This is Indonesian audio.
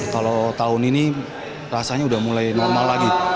kalau tahun ini rasanya sudah mulai normal lagi